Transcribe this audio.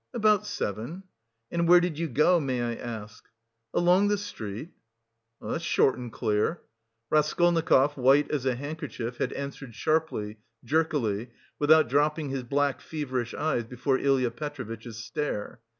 "About seven." "And where did you go, may I ask?" "Along the street." "Short and clear." Raskolnikov, white as a handkerchief, had answered sharply, jerkily, without dropping his black feverish eyes before Ilya Petrovitch's stare.